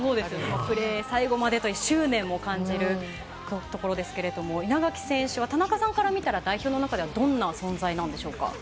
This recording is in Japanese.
最後までプレーという執念を感じるところですが稲垣選手は田中さんから見ると代表の中ではどんな存在なんでしょうか。